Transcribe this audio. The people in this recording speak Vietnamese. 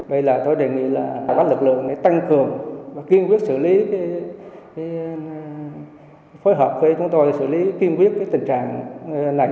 vậy là tôi đề nghị là các lực lượng tăng cường kiên quyết xử lý phối hợp với chúng tôi xử lý kiên quyết cái tình trạng này